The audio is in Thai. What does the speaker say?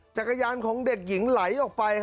จักรยานของเด็กหญิงไหลออกไป